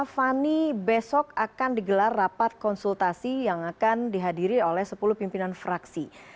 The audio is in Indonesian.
fani besok akan digelar rapat konsultasi yang akan dihadiri oleh sepuluh pimpinan fraksi